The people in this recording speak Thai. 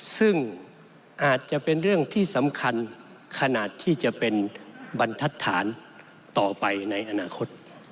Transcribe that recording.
ซึ่งอาจจะเป็นเรื่องที่สำคัญขนาดที่จะเป็นบรรทัศน์ต่อไปในอนาคต